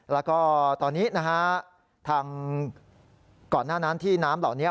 แล้วก็ตอนนี้นะฮะทางก่อนหน้านั้นที่น้ำเหล่านี้